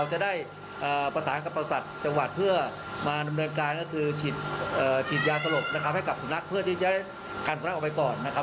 ให้กลับสูนักเพื่อที่จะการสลักออกไปต่อนะครับ